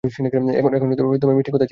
এখন মিষ্টি কথায় চিড়ে ভিজবে না।